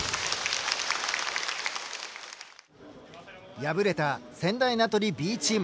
敗れた仙台名取Ｂチーム。